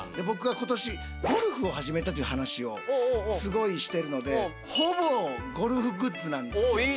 僕は今年ゴルフを始めたという話をすごいしてるのでほぼゴルフグッズなんですよ。